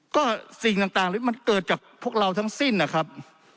ก็สิ่งต่างที่มันเกิดจากพวกเราทั้งสิ้นนะครับ